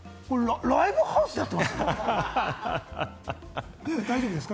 ライブハウスでこれやってますか？